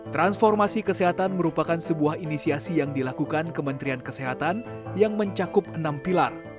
transformasi kesehatan merupakan sebuah inisiasi yang dilakukan kementerian kesehatan yang mencakup enam pilar